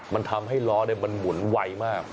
มันทำให้ล้อมันหมุนไวมาก